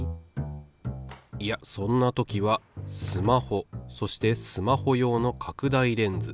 いやそんな時はスマホそしてスマホ用の拡大レンズ。